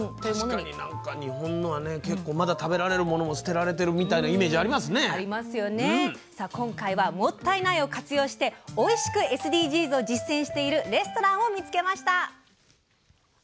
確かに日本はまだ食べられるものも捨てている今回は「もったいない！を活用」しておいしくＳＤＧｓを実践しているレストランを見つけました。